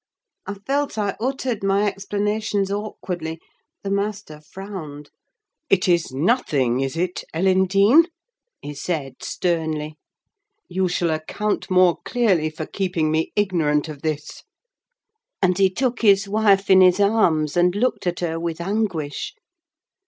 I felt I uttered my explanations awkwardly; the master frowned. "It is nothing, is it, Ellen Dean?" he said sternly. "You shall account more clearly for keeping me ignorant of this!" And he took his wife in his arms, and looked at her with anguish.